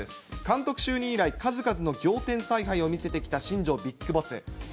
監督就任以来、数々の仰天さい配を見せてきた新庄ビッグボス。